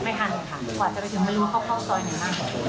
ไม่ทันค่ะกว่าจะไปถึงไม่รู้เค้าเข้าซอยไหนล่ะ